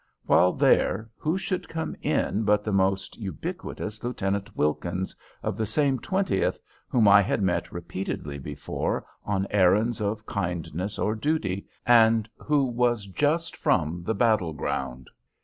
While there, who should come in but the almost ubiquitous Lieutenant Wilkins, of the same Twentieth, whom I had met repeatedly before on errands of kindness or duty, and who was just from the battle ground.